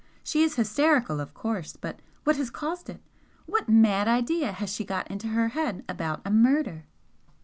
She is hysterical, of course, but what has caused it? What mad idea has she got into her head about a murder?"